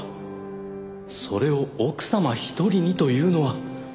それを奥様１人にというのは。